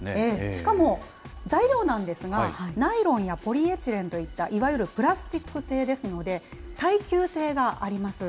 しかも、材料なんですが、ナイロンやポリエチレンといったいわゆるプラスチック製ですので、耐久性があります。